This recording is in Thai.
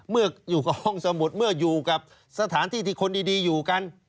เมื่ออยู่กับห้องสมุดเมื่ออยู่กับสถานที่ที่คนดีอยู่กัน